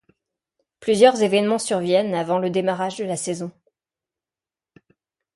Plusieurs événements surviennent avant le démarrage de la saison.